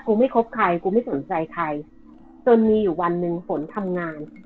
ไม่คบใครกูไม่สนใจใครจนมีอยู่วันหนึ่งฝนทำงาน